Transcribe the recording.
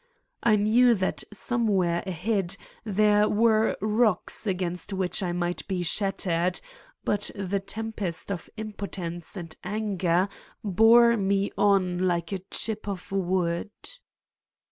I knew that some where ahead there were rocks against which I might be shattered but the tempest of impotence and anger bore me on like a chip of wood.